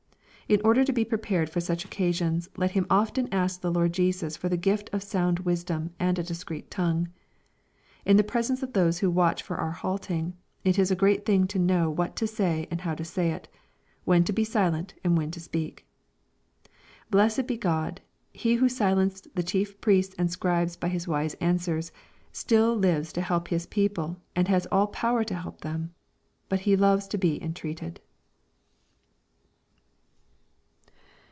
In order to be prepared for such occasions let him often ask the Lord Jesus for the gift of sound wisdom and a discreet tongue. In the presence of those who watch for our halting, it is a great thing to know what to say and bow to say it, when to be silent, and when to speak. Blessed be God, He who silenced the chief priests and scribes by His wise answers, stil! lives to help His people and has all power to help them. But He loves to be entreated.